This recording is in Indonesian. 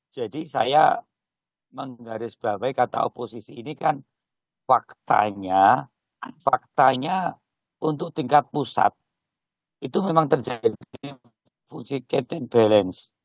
jadi saya menggaris babai kata oposisi ini kan faktanya untuk tingkat pusat itu memang terjadi fungsi check and balance